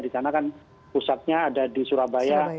di sana kan pusatnya ada di surabaya